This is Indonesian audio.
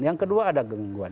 yang kedua ada gangguan